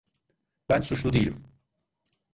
Ben suçlu değilim.